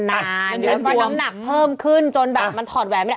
แล้วก็น้ำหนักเพิ่มขึ้นจนมันถอดแหวนไปละ